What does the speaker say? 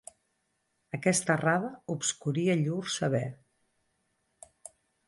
Aquesta erradar obscuria llur saber.